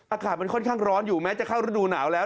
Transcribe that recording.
อากาศมันค่อนข้างร้อนอยู่แม้จะเข้าฤดูหนาวแล้ว